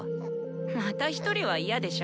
またひとりは嫌でしょ？